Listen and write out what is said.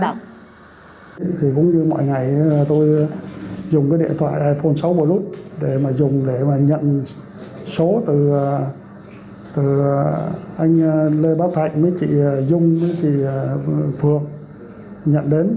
thì cũng như mỗi ngày tôi dùng cái điện thoại iphone sáu plus để mà dùng để mà nhận số từ anh lê báo thạnh với chị dung với chị phượng nhận đến